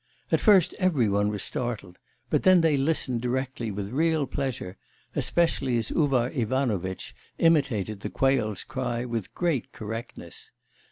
At first every one was startled, but they listened directly with real pleasure, especially as Uvar Ivanovitch imitated the quail's cry with great correctness.